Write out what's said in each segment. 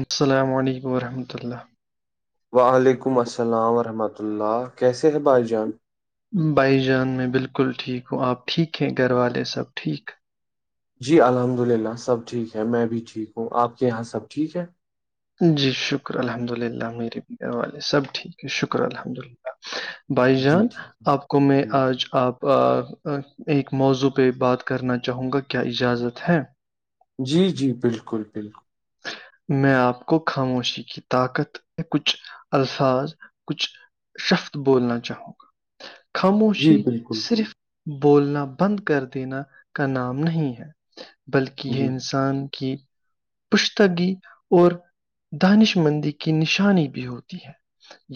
السلام علیکم وورحمۃ اللہ وعلیکم السلام ورحمۃ اللہ کیسے ہے بھائی جان بھائی جان میں بالکل ٹھیک ہوں آپ ٹھیک ہیں گھر والے سب ٹھیک جی الحمد للہ سب ٹھیک ہے میں بھی ٹھیک ہوں آپ کے یہاں سب ٹھیک ہے جی شکر الحمد للہ میرے بھی گھر والے سب ٹھیک ہے شکر الحمد اللہ بھائی جی جان ٹھیک آپ کو میں ہے جی آج آپ ایک موضوع پہ بات کرنا چاہوں گا کیا اجازت ہے جی جی بالکل بالکل میں آپ کو خاموشی کی طاقت کچھ الفاظ کچھ شفت بولنا چاہوں گا جی خاموشی بالکل صرف بولنا بند کر دینا کا نام نہیں ہے بلکہ یہ جی انسان ٹھیک پشتگی اور دانش مندی کی نشانی بھی ہوتی ہے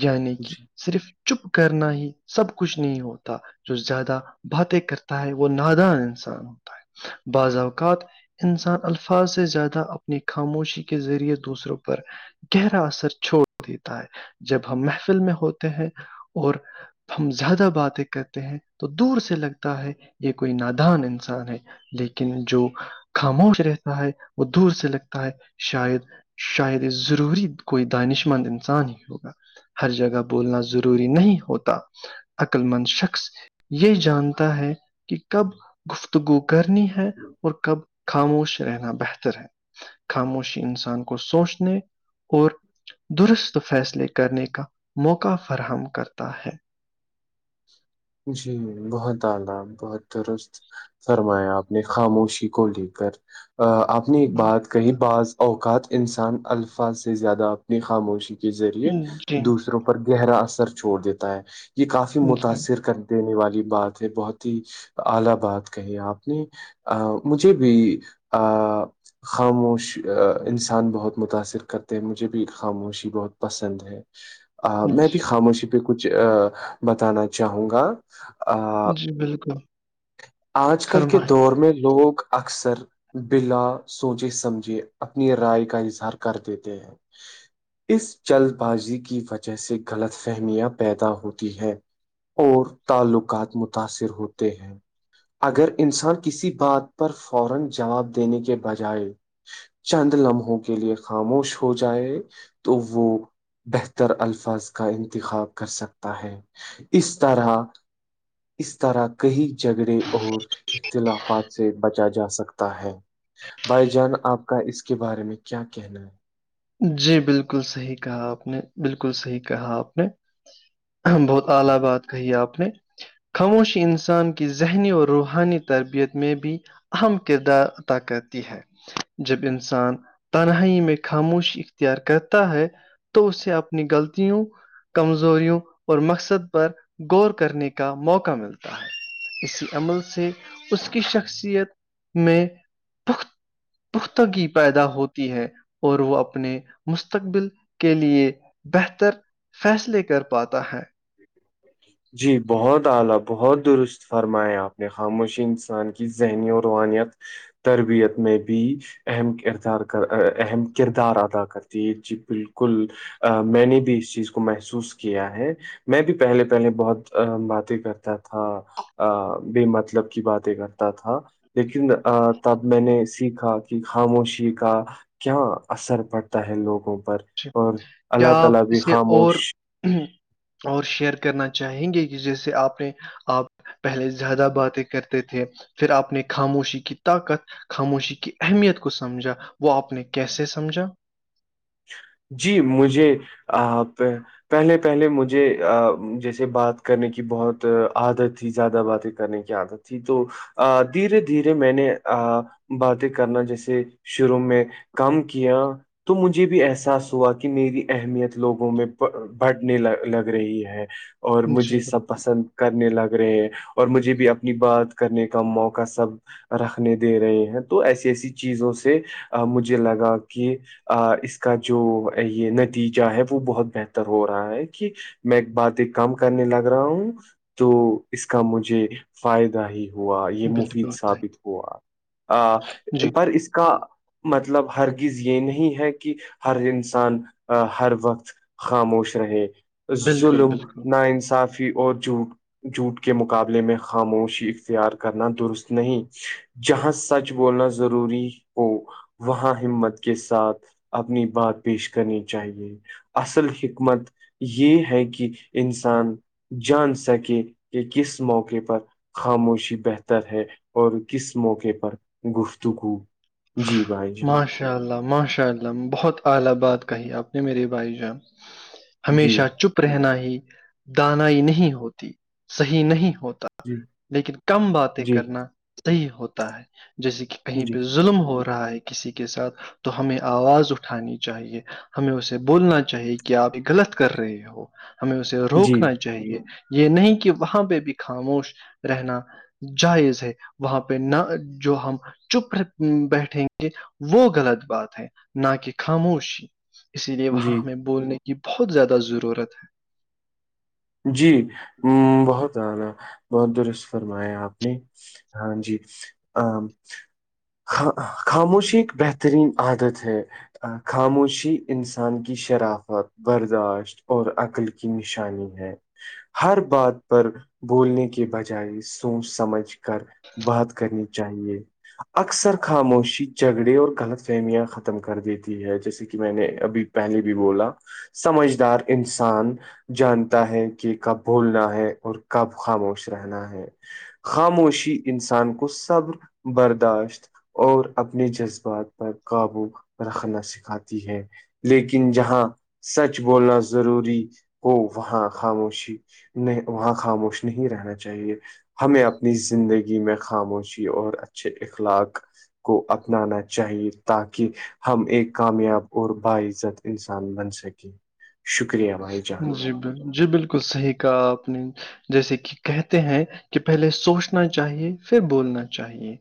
یعنی کہ جی صرف چپ کرنا ہی سب کچھ نہیں ہوتا جو زیادہ باتیں کرتا ہے وہ نادان انسان ہوتا ہے بعض اوقات انسان الفاظ سے زیادہ اپ اپنی خاموشی کے ذریعے دوسروں پر گہرا اثر چھوڑ دیتا ہے جب ہم محفل میں ہوتے ہیں اور ہم زیادہ باتیں کرتے ہیں تو دور سے لگتا ہے یہ کوئی نادان انسان ہے لیکن جو خاموش رہتا ہے وہ دور سے لگ تا ہے شاید شاید یہ ضروری کوئی دانش مند انسان ہی ہوگا ہر جگہ بولنا ضروری نہیں ہوتا عقل مند شخص یہ جانتا ہے کہ کب گفتگو کرنی ہے اور کب خاموش رہنا بہتر ہے خاموشی انسان کو سوچنے اور درست فیصلے کرنے کا موقع فراہم کرتا ہے جی ت درست فرمایا آپ نے خاموشی کو لے کر آپ اپنی بات کہیں بعض اوقات انسان الفاظ سے زیادہ اپنی خاموشی کے ذریعے جی دوسروں پر گہرا اثر چھوڑ دیتا ہے یہ کافی جی جی متاثر کرنے ات کہی آپ نے ا مجھے بھی ا خاموش انسان بہت متاثر کرتے ہیں مجھے بھی خاموشی بہت پسند ہے میں بھی خاموشی پہ کچھ بتانا چاہوں گا آ، جی بالکل آج کل کے فرمائیں دور میں لوگ اکثر بلا سوچے سمجھے اپنی رائے کا اظہار کر دیتے ہیں اس جلد بازی کی وجہ سے غلط فہمیاں پیدا ہوتی ہیں اور تعلقات متاثر ہوتے ہیں کے بجائے چند لمحوں کے لیے خاموش ہو جائے تو وہ بہتر الفاظ کا انتخاب کر سکتا ہے اس طرح اس طرح کہیں جھگڑے اور اختلافات سے بچا جا سکتا ہے بھائی جان آپ کا اس کے بارے میں کیا کہنا ہے جی بالکل صحیح کہا آپ نے بالکل صحیح کہا آپ نے بہت جی اعلی بات کہی ہے آپ نے خاموشی انسان کی ذہنی اور روحانی تربیت میں بھی اہم کردار ادا کرتی ہے جب انسان تنہائی میں ک خاموش اختیار کرتا ہے تو اسے اپنی غلطوں کمزوریوں اور مقصد پر غور کرنے کا موقع ملتا ہے اسی عمل سے اس کی شخصیت میں پخت پختگی پیدا ہوتی ہے اور وہ اپنے مستقبل کے لیے بہتر فیصلے کر پاتا ہے فرمایا آپ نے خاموشی انسان کی ذہنی اور روانیت تربیت میں بھی اہم کردار کر اہم کردار ادا کرتی ہے جی بالکل ا میں نے بھی اس چیز کو محسوس کیا ہے میں بھی پہلے پہلے بہت باتیں کرتا تھا ا بے مطلب کی باتیں کرتا تھا لیکن تب میں نے سیکھا کہ خاموشی کا کیا اثر پڑتا ہے لوگوں پر جی، اور کیا اللہ آپ تعالی بھی اسے اور خاموش اور شیئر کرنا چاہیں گے کہ جیسے آپ نے آپ پہلے زیادہ باتیں کرتے تھے پھر اپنے خاموشی کی طاقت خاموشی کی اہمیت کو سمجھا وہ آپ نے کیسے سمجھا جی مجھے آ آ پہلے پہلے مجھے جیسے بات کرنے کی بہت عادت تھی زیادہ باتیں کرنے کی عادت تھی تو ا دھیرے دھیرے میں نے باتیں کرنا جیسے شروع میں کام کیا تو مجھے بھی احساس ہوا کہ میری اہمیت لوگوں میں بڑھنے لگ رہی ہے اور جی مجھے بال- سب پسند کرنے لگ رہے ہیں اور مجھے بھی اپنی بات کرنے کا موقع سب رکھنے دے رہے ہیں تو ایسی ایسی چیزوں سے مجھے لگا کہ آ اس کا جو یہ نتیجہ ہے وہ بہت بہتر ہو رہا ہے کہ میں ایک بات ایک کم کرنے لگ رہا ہوں تو اس کا مجھے فائدہ ہی ہوا یہ مفید بالکل صحیح ثابت ہوا جی پر اس کا مطلب ہرگز یہ نہیں ہے کہ ہر انسان ہر وقت خاموش رہے بالکل ظلم بالکل ناانصافی اور جھوٹ جھوٹ کے مقابلے میں خاموشی اختیار کرنا درست نہیں جہاں سچ بولنا ضروری ہو وہاں ہمت کے ساتھ اپنی بات پیش کرنی چاہیے اصل حکمت یہ ہے کہ انسان جان سکے کہ کس موقع پر خاموشی بہتر ہے اور کس موقعے پر گفتگو جی بھائی جان یا اللہ ماشاءاللہ بہت اعلی بات کہی اپ نے میرے بھائی کا جی ہمیشہ چپ رہنا ہی دانائی نہیں ہوتی صحیح نہیں ہوتا جی لیکن کم باتیں جی کرنا صحیح ہوتا ہے جیسے کہ کہیں جی پہ ظلم ہو رہا ہے کسی کے ساتھ تو ہمیں آواز اٹھانی چاہیے ہمیں اسے بولنا چاہیے کہ آپ غلط کر رہے ہو ہمیں اسے جی روکنا چاہیے یہ نہیں کہ وہاں پہ بھی خاموش رہنا جائز ہے وہاں پہ نہ جو ہم چپ بیٹھیں گے وہ غلط بات ہے نہ کہ خاموشی اسی لیے وہاں جی ہمیں بولنے یہ بہت زیادہ ضرورت ہے جی ہ بہت آنا بہت درست فرمایا آپ نے ہاں جی ا خاموشی ایک بہترین عادت ہے خاموشی انسان کی شرافت برداشت اور عقل کی نشانی ہیں ہر بات پر بولنے کے بجائے سوچ سمجھ کر بات کرنی چاہیے اکثر خاموشی جھگڑے اور غلط فہمیاں ختم کر دیتی ہے جیسے کہ میں نے ابھی پہلے بھی بولا سمجھدار انسان جان ہے کہ کب بھولنا ہے اور کب خاموش رہنا ہے خاموشی انسان کو صبر برداشت اور اپنے جذبات پر قابو رکھنا سکھاتی ہے لیکن جہاں سچ بولنا ضروری ہو وہاں خاموشی نہیں وہاں خاموش نہیں رہنا چاہیے ہمیں اپنی زندگی میں خاموشی اور اچھے اخلاق کو اپنانا چاہیے تاکہ ہم ایک کامیاب اور باعزت انسان بن سکے جی جی ب جی بالکل صحیح کہا آپ نے جیسے کہ کہتے ہیں کہ پہلے سوچنا چاہیے پھر بولنا چاہیے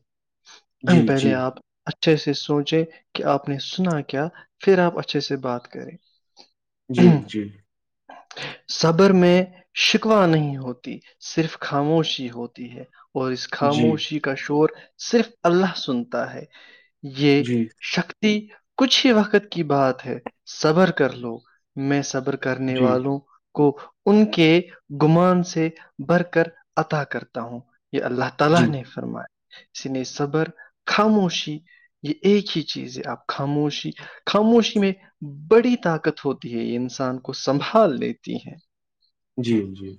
جی پہلے جی آپ اچھے سے سوچیں کہ آپ نے سنا کیا پھر آپ اچھے سے بات کریں جی جی صبر میں شکوا نہیں ہوتی صرف خاموشی ہوتی ہے اور اس جی خاموشی کا شور صرف اللہ سنتا ہے جی جی یہشک کچھ ہی وقت کی بات ہے صبر کر لو میں صبر کر کرنے والوں کو ان کے گمان سے بڑھ کر عطا کرتا ہوں یہ اللہ تعالی طلح جی نے فرماائے اس نے صبر خاموشی یہ ایک ہی چیز ہے آپ خاموشی خاموشی میں بڑی طاقت ہوتی ہے یہ انسان کو سنبھال لیتی ہیں جی جی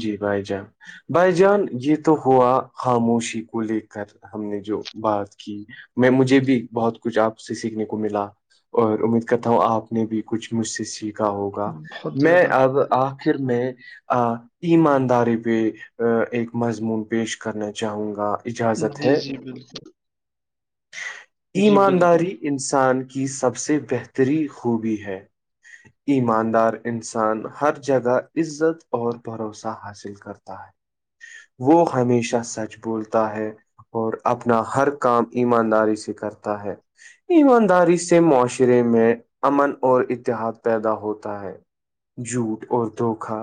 جی بھائی جان بھائی جان یہ تو ہوا خاموشی کو لے کر ہم نے جو بات کی میں مجھے بھی بہت کچھ آپ سے سیکھنے کو ملا اور امید کرتا ہوں آپ نے بھی کچھ مجھ سے سیکھا ہوگا بہت میں زیادہ اب آپ خر میں آ ایمانداری پہ ایک مضمون پیش کرنا چاہوں گا اجازت جی ہے جی بالکل جی بالکل ایمانداری انسان کی سب سے بہتری خوبی ہے ایماندار انسان ہر جگہ عزت اور بھروسہ حاصل کرتا ہے وہ ہمیشہ سچ بولتا ہے اور اپنا ہر کام ایمانداری سے کرتا ہے ایمانداری سے معاشرے میں امن اور اتحاد پیدا ہوتا ہے جوٹ اور دھوکا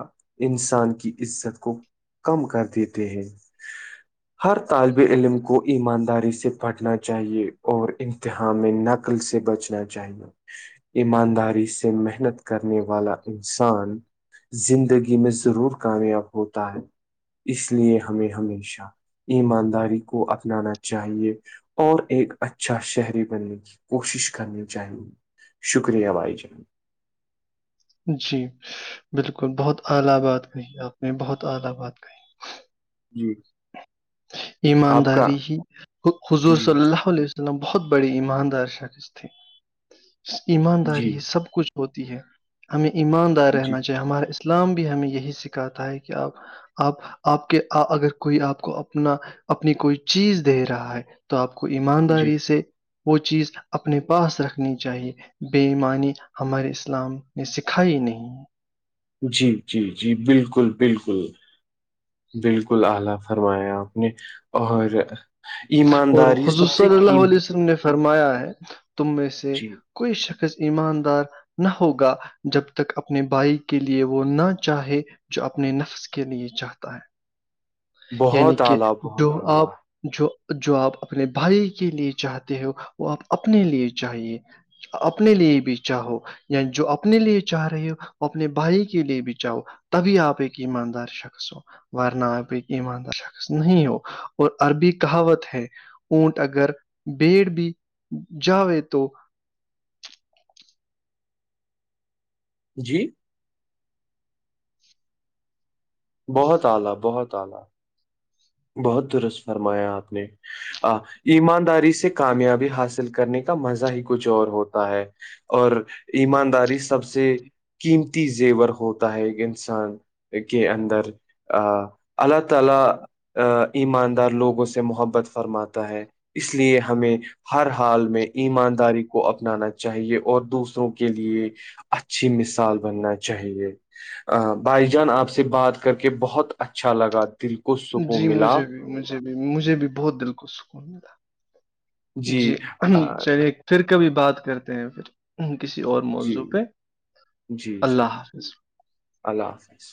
انسان کی عزت کو کم کر دیتے ہیں ہر طالب علم کو ایمانداری سے پڑھنا چاہیے اور انمتحان میں نت سے بچنا چاہی گا ایمانداری سے محنت کرنے والا انسان زندگی میں ضرور کامیاب ہوتا ہے اس لیے ہمیں ہمیشہ ایمانداری کو اپنانا چاہیے اور ایک اچھا شہری بننے کی کوشش کرنی چاہیے شکریہ بھائی جان جی بالکل بہت اعلی بات کہی اپ نے جی آپ کا ایمانداری ہی حضور جی صلی اللہ علیہ مط بہت بڑی ایماندار شخص تھی جی ایمانداری سب کچھ ہوتی ہے ہمیں ایماندار جی رہنا چاہیے ہمارے اسلام بھی ہمیں یہی سکھاتا ہے کہ آپ آپ آپ کے اگر کوئی آپ کو اپنا اپنی کوئی چیز دے رہا ہے تو آپ کو جی ایمانداری سے وہ چیز اپنے پاس رکھنی چاہیے بےمانی ہمارے اسلام نے سکھائیائی نہیں جی جی جی بالکل بالکل بالکل اعلی فرمایا آپ نے اور اور ایمانداری حضور سب سے صلی اللہ علیہ قیمتی وسلم نے فرمایا ہے تم میں سے کوئی شخص ایماندار نہ ہوگا جب تک اپنے بھائی کے لیے وہ نہ چاہے جو اپنے نفر کے لیے چاہتا ہے یعنی بہت کہ اعلی جو بہت آپ اعلی جو جو آپ اپنے بھائی کے لیے چاہتے ہو وہ آپ اپنے لیے چاہیے اپنے لیے بھی چاہو ینی جو اپنے لیے چاہ رہے ہو اپنے بھائی کے لیے بھی چاہو تبھی آپ ایک ایماندار شخص ہو ورنہ آپ ایک ایماندار شخص نہیں ہو اور عربی کہاوت ہے اونٹ اگر بیڑ بھی جاوے تو جی بہت اعلی بہت بہت درست فرمایا آپ نے ایمانداری سے کامیابی حاصل کرنے کا مزہ ہی کچھ اور ہوتا ہے اور ایمانداری سب سے قیمتی زیور ہوتا ہے ایک انسان اللہ تعالی ا ایماندار لوگوں سے محبت فرماتا ہے اس لیے ہمیں ہر حال میں ایمانداری کو اپنانا چاہیے اور دوسروں کے لیے اچھی مثال بننا چاہیے ا بھائی جان آپ سے بات کر کے بہت اچھا لگا دل کو جی سکون ملا مجھے بھی مجھے بھی مجھے بھی بہت دل کو سکون ملا جی آ، چلیے پھر کبھی بات کرتے ہیں پھر کسی اور جی موضوع پہ جی جی اللہ حافظ اللہ حافظ